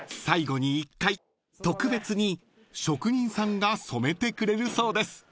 ［最後に１回特別に職人さんが染めてくれるそうです］